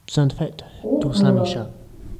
У МУРО